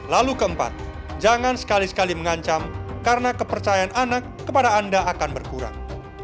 lalu keempat jangan sekali sekali mengancam karena kepercayaan anak kepada anda akan berkurang